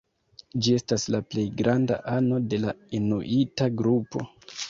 Ĝi estas la plej granda ano de la inuita grupo.